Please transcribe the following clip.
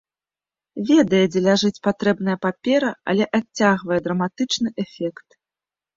Ведае, дзе ляжыць патрэбная папера, але адцягвае драматычны эфект.